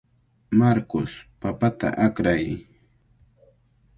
Marcos, papata akray.